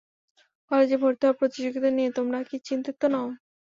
কলেজে ভর্তি হওয়ার প্রতিযোগিতা নিয়ে তোমরা কি চিন্তিত নও?